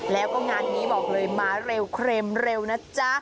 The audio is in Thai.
แล้วก็งานนี้มาเร็วเร็วนะจ๊ะ